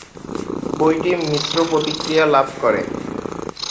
বইটি মিশ্র প্রতিক্রিয়া লাভ করে।